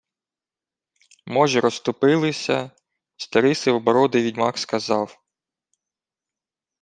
Можі розступилися, й старий сивобородий відьмак сказав: